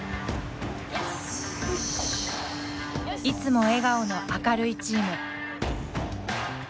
いつも笑顔の明るいチーム。